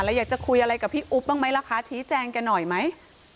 แล้วอยากจะคุยอะไรกับพี่อุ๊บบ้างไหมล่ะคะชี้แจงแกหน่อยไหม